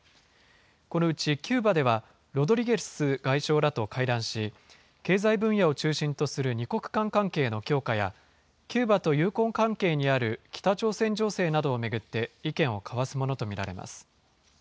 このうちキューバでは、ロドリゲス外相らと会談し、経済分野を中心とする２国間関係の強化やキューバと友好関係にある北朝鮮情勢などを巡って、意見を交わすものと見られます。